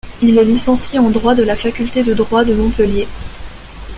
Il est licencié en droit de la faculté de droit de Montpellier.